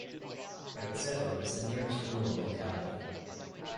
Yartsevo is the nearest rural locality.